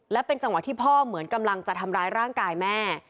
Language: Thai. และเป็นจังหวะที่พ่อเหมือนกำลังจะทำร้ายร่างกายแม่